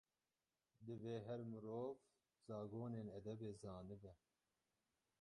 Divê her mirov, zagonên edebê zanibe.